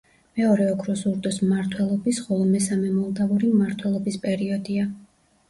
მეორე ოქროს ურდოს მმართველობის, ხოლო მესამე მოლდავური მმართველობის პერიოდია.